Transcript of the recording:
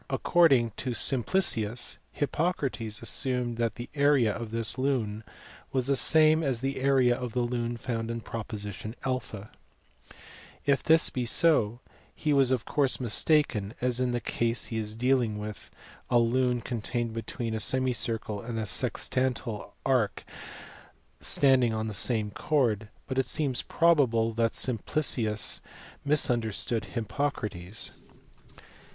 According to Simplicius, Hippocrates assumed that the area of this lune was the same as the area of the lune found in proposition (a); if this " be so, he was of course mistaken, as in this case he is dealing with a lune contained between a semicircle and a sextantal arc standing on the same chord; but it seems probable that Simplicius misunderstood Hippocrates.